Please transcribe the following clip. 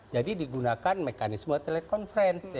jadi digunakan mekanisme telekonferensi